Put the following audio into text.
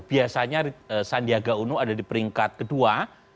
biasanya sandiaga uno ada di peringkat kedua